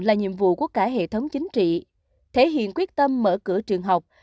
là nhiệm vụ của cả hệ thống chính trị thể hiện quyết tâm mở cửa trường học